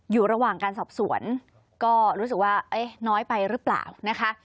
อยู่ระหว่างการสอบสวนก็รู้สึกว่าน้อยไปหรือเปล่านะคะ